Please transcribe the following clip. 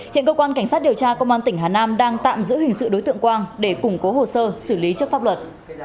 hiện cơ quan cảnh sát điều tra công an tỉnh hà nam đang tạm giữ hình sự đối tượng quang để củng cố hồ sơ xử lý trước pháp luật